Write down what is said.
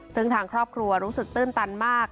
ซึ่งทางครอบครัวรู้สึกตื้นตันมาก